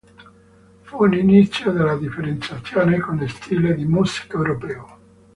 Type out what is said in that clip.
Fu l'inizio della differenziazione con lo stile di musica europeo.